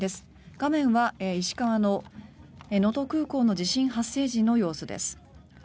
画面は石川の能登空港の地震発生時の様子です。